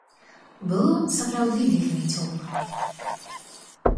Было сапраўды вельмі цёпла.